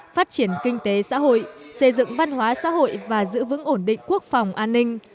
phát triển kinh tế xã hội xây dựng văn hóa xã hội và giữ vững ổn định quốc phòng an ninh